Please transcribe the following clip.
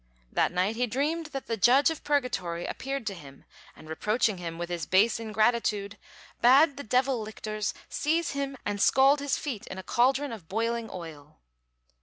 That night he dreamed that the Judge of Purgatory appeared to him, and, reproaching him with his base ingratitude, bade the devil lictors seize him and scald his feet in a cauldron of boiling oil.